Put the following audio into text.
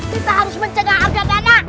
kita harus mencegah argadana